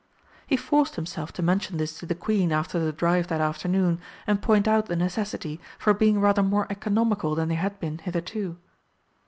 He forced himself to mention this to the Queen after the drive that afternoon, and point out the necessity for being rather more economical than they had been hitherto.